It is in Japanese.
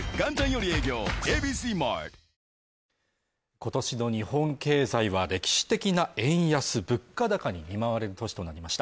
今年の日本経済は歴史的な円安・物価高に見舞われる年となりました。